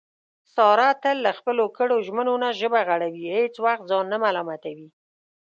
ساره تل له خپلو کړو ژمنو نه ژبه غړوي، هېڅ وخت ځان نه ملامتوي.